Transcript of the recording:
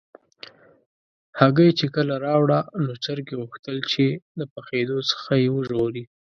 هګۍ چې کله راوړه، نو چرګې غوښتل چې د پخېدو څخه یې وژغوري.